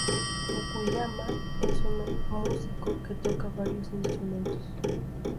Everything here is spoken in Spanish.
Fukuyama es un músico que toca varios instrumentos.